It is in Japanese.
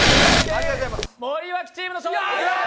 森脇チームの勝利！